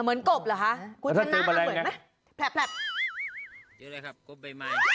เหมือนกบเหรอคะคุณชั้นหน้าเหมือนไหม